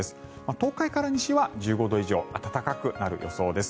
東海から西は１５度以上暖かくなる予想です。